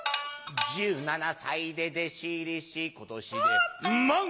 １７歳で弟子入りし今年でハッ！